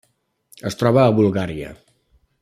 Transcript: Es troba a Bulgària.